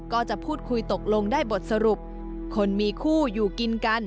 ก็จะพูดคุยตกลงได้บทสรุปคนมีคู่อยู่กินกัน